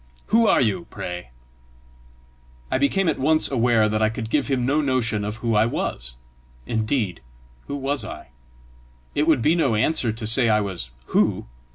Who are you, pray?" I became at once aware that I could give him no notion of who I was. Indeed, who was I? It would be no answer to say I was who!